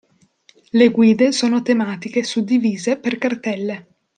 Le guide sono tematiche suddivise per cartelle.